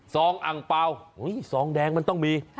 องอังเปล่าซองแดงมันต้องมี